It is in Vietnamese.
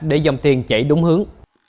để dòng tiền chạy đúng hướng